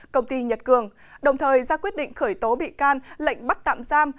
công ty nhật cường đồng thời ra quyết định khởi tố bị can lệnh bắt tạm giam